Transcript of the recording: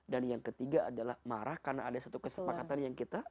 dan yang ketiga adalah marah karena ada satu kesepakatan yang kita